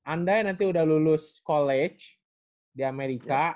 andai nanti udah lulus college di amerika